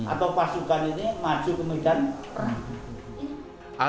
atau pasukan ini maju ke medan perang